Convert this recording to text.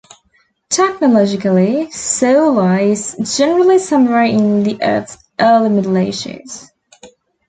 Technologically Saula is generally somewhere in the Earth's early Middle Ages.